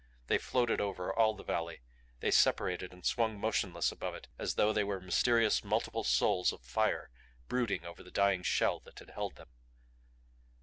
They floated over all the valley; they separated and swung motionless above it as though they were mysterious multiple souls of fire brooding over the dying shell that had held them.